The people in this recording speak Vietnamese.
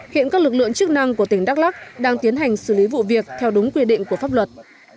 hiện các lực lượng chức năng của tỉnh đắk lắc đang tiến hành xử lý vụ việc theo đúng quy định của pháp luật